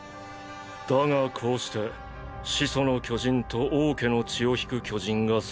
だがこうして「始祖の巨人」と「王家の血」を引く巨人が揃った。